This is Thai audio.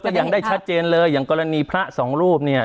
ยังได้ชัดเจนเลยอย่างกรณีพระสองรูปเนี่ย